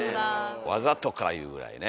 わざとかいうぐらいね。